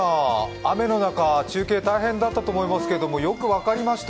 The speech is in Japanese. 雨の中、中継大変だったと思いますけどよく分かりました。